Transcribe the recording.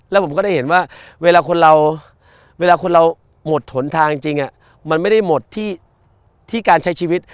แล้วผมก็ได้เห็นว่าเวลาคนเราเวลาคนเราหมดหนทางจริงมันไม่ได้หมดที่การใช้ชีวิต